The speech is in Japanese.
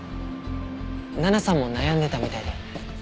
奈々さんも悩んでたみたいで。